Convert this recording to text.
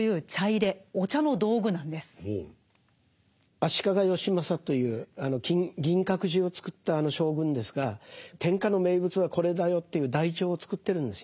足利義政という銀閣寺をつくった将軍ですが天下の名物はこれだよという台帳を作ってるんですよ。